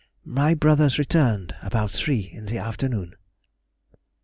my brothers returned about three in the afternoon.